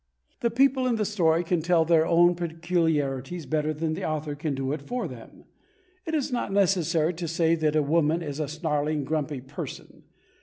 The people in the story can tell their own peculiarities better than the author can do it for them. It is not necessary to say that a woman is a snarling, grumpy person.